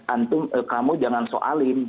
antum kamu jangan soalin